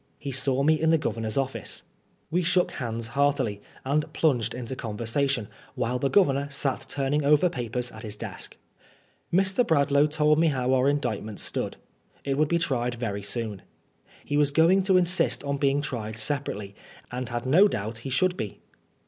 He saw me in the Governor's office. We shook hands heartily, and plunged into conversation, while the Governor sat turning over papers at his desk. Mr. Bradlangh told me how our Indictment stood. It would be tried very soon. He was going to insist on being tried separately, and had no doubt he should be.